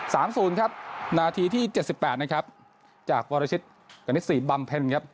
สามศูนย์ครับนาทีที่เจ็ดสิบแปดนะครับจากวรชิตกณิตศรีบำเพ็ญครับ